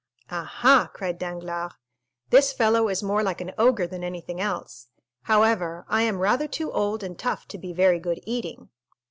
"Ah, ha," cried Danglars, "this fellow is more like an ogre than anything else; however, I am rather too old and tough to be very good eating!"